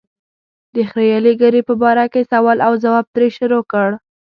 د خرییلې ږیرې په باره کې سوال او ځواب ترې شروع کړ.